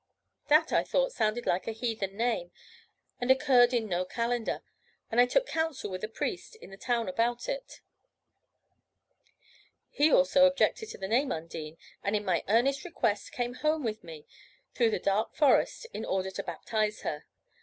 That, I thought, sounded like a heathen name, and occurred in no Calendar; and I took counsel with a priest in the town about it. He also objected to the name Undine; and at my earnest request, came home with me, through the dark forest, in order to baptise her.